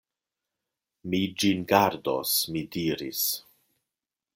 Mi ĝin gardos, mi diris.